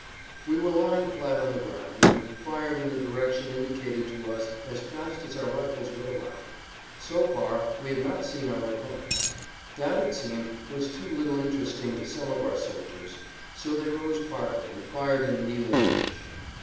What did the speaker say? We were lying flat on the ground, and fired in the direction indicated to us as fast as our rifles would allow. So far we had not seen our opponents. That, it seemed, was too little interesting to some of our soldiers; so they rose partly, and fired in a kneeling position.